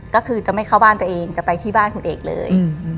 ก็คือจะไม่เข้าบ้านตัวเองจะไปที่บ้านคุณเอกเลย